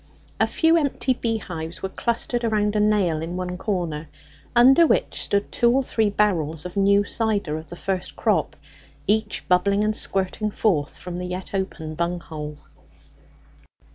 A few empty beehives were clustered around a nail in one corner, under which stood two or three barrels of new cider of the first crop, each bubbling and squirting forth from the yet open bunghole.